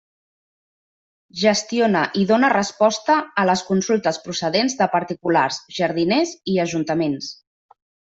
Gestiona i dóna resposta a les consultes procedents de particulars, jardiners i ajuntaments.